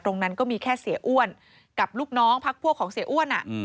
ตรงนั้นก็มีแค่เสียอ้วนกับลูกน้องพักพวกของเสียอ้วน